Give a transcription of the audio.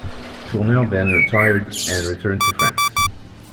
Tourneur then retired and returned to France.